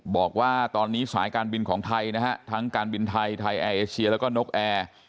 บอกว่าตอนนี้สายการบินของไทยนะฮะทั้งการบินไทยไทยแอร์เอเชียแล้วก็นกแอร์